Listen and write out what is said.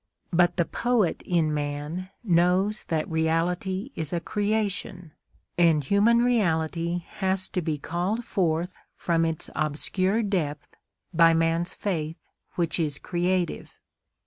But the poet in man knows that reality is a creation, and human reality has to be called forth from its obscure depth by man's faith which is creative.